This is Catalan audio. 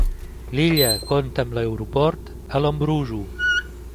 L"illa compta amb l"aeroport El Embrujo.